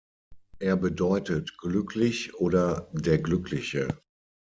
Er bedeutet "glücklich" oder "der Glückliche".